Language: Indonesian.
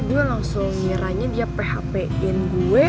gue langsung nyerahnya dia php in gue